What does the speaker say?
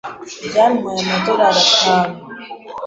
Byatwaye amadorari atanu.